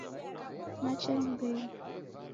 Nacha nyumbenyi